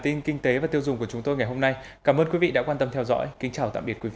tin kinh tế và tiêu dùng của chúng tôi ngày hôm nay cảm ơn quý vị đã quan tâm theo dõi kính chào tạm biệt quý vị